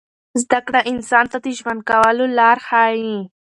زده کړه انسان ته د ژوند کولو لار ښیي.